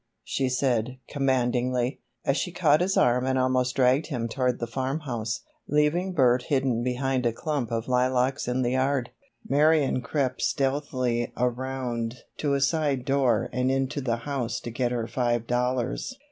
she said, commandingly, as she caught his arm and almost dragged him toward the farm house. Leaving Bert hidden behind a clump of lilacs in the yard, Marion crept stealthily around to a side door and into the house to get her five dollars.